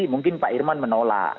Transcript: mungkin pak irman menolak